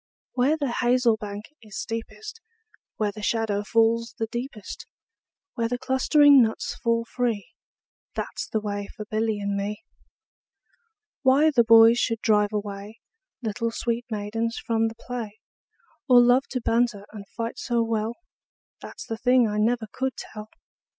Where the hazel bank is steepest, Where the shadow falls the deepest, Where the clustering nuts fall free, 15 That 's the way for Billy and me. Why the boys should drive away Little sweet maidens from the play, Or love to banter and fight so well, That 's the thing I never could tell.